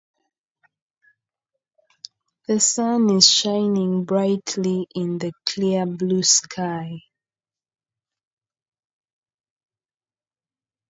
This was Taylor's final film.